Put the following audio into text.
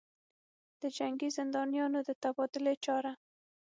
دجنګي زندانیانودتبادلې چاره